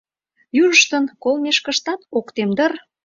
Южыштын колымешкыштак ок тем дыр.